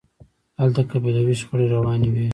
هلته قبیلوي شخړې روانې وي.